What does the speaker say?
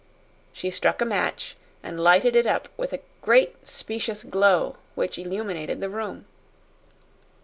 She struck a match and lighted it up with a great specious glow which illuminated the room.